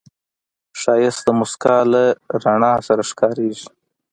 ښایست د موسکا له رڼا سره ښکاریږي